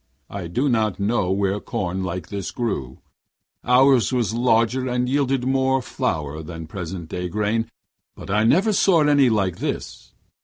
I do not know where corn like this grew. Ours was larger and yielded more flour than present day grain, but I never saw any like this.